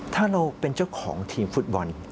ถ้าเราเป็นเจ้าของทีมฟุตบอล